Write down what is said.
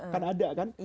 kan ada kan